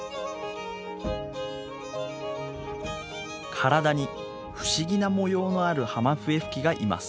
体に不思議な模様のあるハマフエフキがいます。